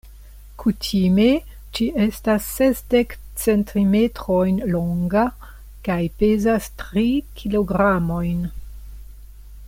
Kutime ĝi estas sesdek centimetrojn longa kaj pezas tri kilogramojn.